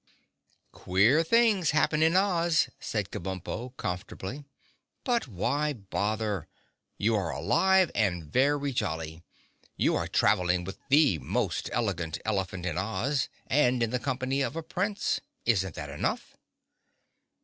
"Queer things happen in Oz," said Kabumpo comfortably. "But why bother? You are alive and very jolly. You are traveling with the most Elegant Elephant in Oz and in the company of a Prince. Isn't that enough?"